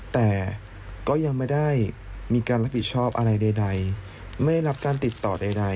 แต่ก็ยังไม่ได้มีการรับผิดชอบอะไรใดไม่ได้รับการติดต่อใด